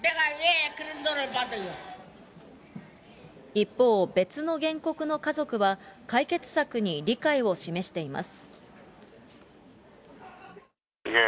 一方、別の原告の家族は、解決策に理解を示しています。